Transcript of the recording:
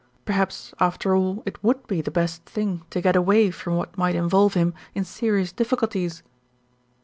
Perhaps, after all, it would be the best thing to get away from what might involve him in serious diffi culties.